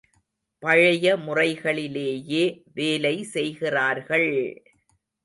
பழைய முறைகளிலேயே வேலை செய்கிறார்கள்!